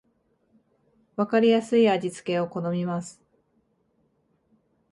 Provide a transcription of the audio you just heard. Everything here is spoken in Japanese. わかりやすい味付けを好みます